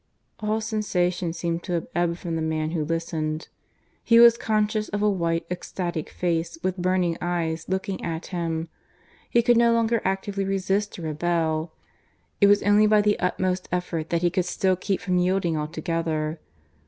All sensation seemed to have ebbed from the man who listened. ... He was conscious of a white ecstatic face with burning eyes looking at him. He could no longer actively resist or rebel. It was only by the utmost effort that he could still keep from yielding altogether.